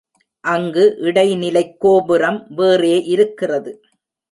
அங்கு இடை நிலைக் கோபுரம் வேறே இருக்கிறது.